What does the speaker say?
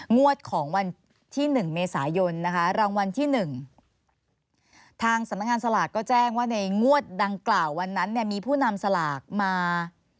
งวดของวันที่๑เมษายนนะคะรางวัลที่๑ทางสำนักงานสลากก็แจ้งว่าในงวดดังกล่าววันนั้นเนี่ยมีผู้นำสลากมา